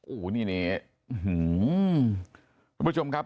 อู้วนี่นี่หื้อคุณผู้ชมครับ